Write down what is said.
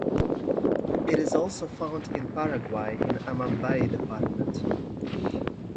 It is also found in Paraguay in Amambay Department.